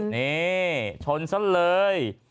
นี่ชนซะเลย